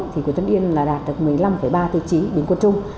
thì quyền tân yên là đạt được một mươi năm ba tiêu chí bình quân chung